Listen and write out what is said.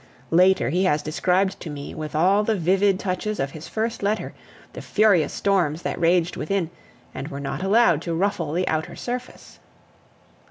Later, he has described to me, with all the vivid touches of his first letter, the furious storms that raged within and were not allowed to ruffle the outer surface.